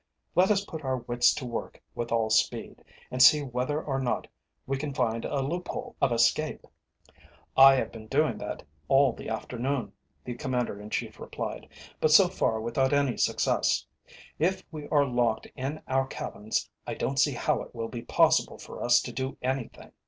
Let us put our wits to work with all speed, and see whether or not we can find a loophole of escape." "I have been doing that all the afternoon," the Commander in Chief replied, "but so far without any success. If we are locked in our cabins, I don't see how it will be possible for us to do anything.